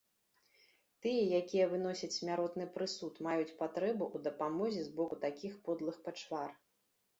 Тыя, якія выносяць смяротны прысуд, маюць патрэбу ў дапамозе з боку такіх подлых пачвар.